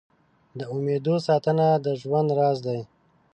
د امېدو ساتنه د ژوند راز دی.